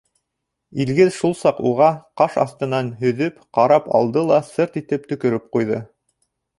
Илгиз шул саҡ уға ҡаш аҫтынан һөҙөп ҡарап алды ла «сырт» итеп төкөрөп ҡуйҙы.